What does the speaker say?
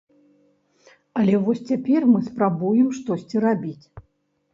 Але вось цяпер мы спрабуем штосьці рабіць.